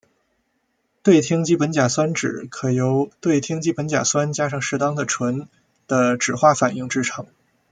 对羟基苯甲酸酯可由对羟基苯甲酸加上适当的醇的酯化反应制成。